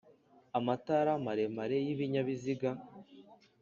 Amatara maremare y' ibinyabiziga